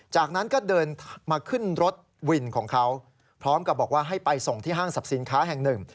จากนั้นก็เดินมาขึ้นรถวินของเขาพร้อมกับบอกว่าให้ไปส่งที่ห้างสรรพสินค้าแห่งหนึ่ง